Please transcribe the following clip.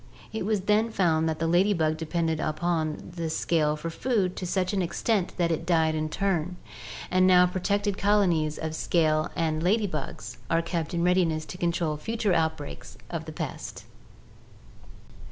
It was then found that the lady bug depended upon the scale for food to such an extent that it died in turn, and now protected colonies of scale and lady bug are kept in readiness to control future outbreaks of the pest!